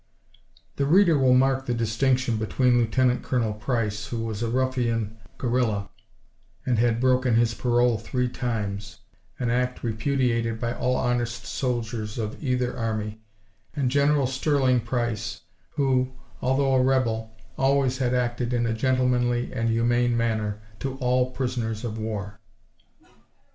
[The reader will mark the distinction between Lieutenant Colonel Price, who was a ruffian guerrilla, and had broken his parole three times—an act repudiated by all honest soldiers of either army—and General Sterling Price, who, although a rebel, always had acted in a gentlemanly and humane manner to all prisoners of war.